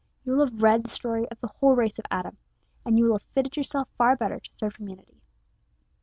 You will have read the story of the whole race of Adam, and you will have fitted yourself far better to serve humanity.